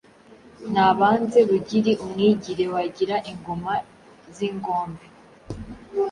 Nabanze Bugiri umwigire Wagira ingoma z’ingombe,